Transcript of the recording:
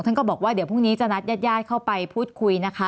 ก็บอกว่าเดี๋ยวพรุ่งนี้จะนัดญาติญาติเข้าไปพูดคุยนะคะ